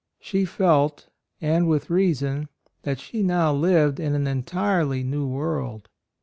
She felt, and with reason, that she now lived in an entirely new world.